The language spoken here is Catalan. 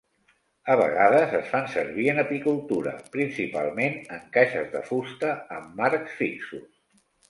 A vegades es fan servir en apicultura, principalment en caixes de fusta amb marcs fixos.